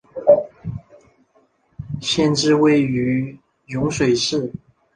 县治位于漯水市。